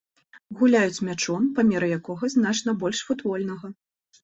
Гуляюць мячом, памеры якога значна больш футбольнага.